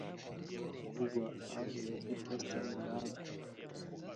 kugwa ahanyuze kuri posita yamahanga